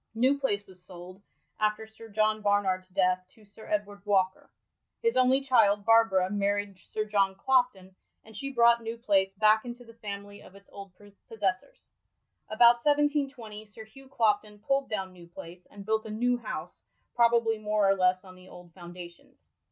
New Place was sold, after Sir John Barnard's death, to Sir Edward Walker. His only child, Barbara, married Sir John Clopton, and she brought New Place back into the family of its old possessors. About 1720, Sir Hugh Clopton pulled down New Place, and built a new house, probably more or less on the old foundations.